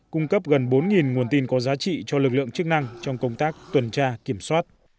cung cấp gần bốn nguồn tin có giá trị cho lực lượng chức năng trong công tác tuần tra kiểm soát